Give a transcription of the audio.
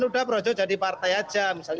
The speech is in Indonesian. sudah projo jadi partai aja misalnya